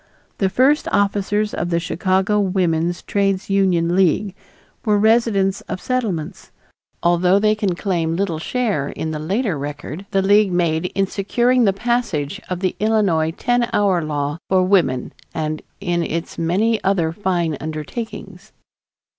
The first officers of the Chicago Woman's Trades Union League were residents of Settlements, although they can claim little share in the later record the League made in securing the passage of the Illinois Ten Hour Law for Women and in its many other fine undertakings.